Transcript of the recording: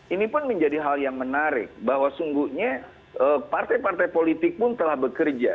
ini pun menjadi hal yang menarik bahwa sungguhnya partai partai politik pun telah bekerja